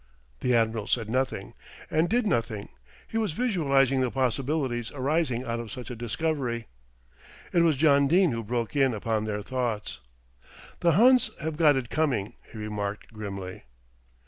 The Admiral said nothing and did nothing. He was visualising the possibilities arising out of such a discovery. It was John Dene who broke in upon their thoughts. "The Huns have got it coming," he remarked grimly.